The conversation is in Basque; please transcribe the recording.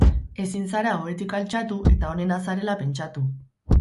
Ezin zara ohetik altxatu eta onena zarela pentsatu.